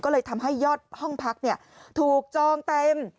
ก็เลยทำให้ยอดห้องพักถูกจองเต็ม